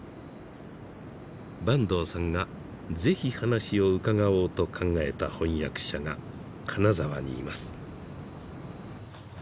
坂東さんが是非話を伺おうと考えた翻訳者が金沢にいます。